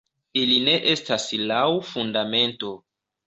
Ili ne estas laŭ Fundamento.